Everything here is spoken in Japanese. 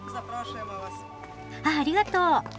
あっありがとう。